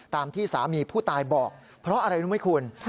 ตามที่สามีผู้ตายบอกเพราะอะไรรู้ไหมคุณ